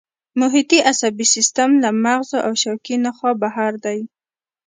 محیطي عصبي سیستم له مغزو او شوکي نخاع بهر دی